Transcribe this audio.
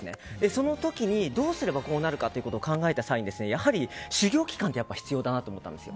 その時にどうすればこうなるかということを考えた際にやはり、修業期間って必要だなと思ったんです。